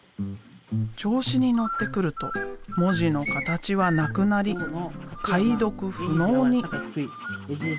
調子に乗ってくると文字の形はなくなり解読不能に。